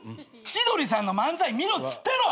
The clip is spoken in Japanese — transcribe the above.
千鳥さんの漫才見ろっつったろ！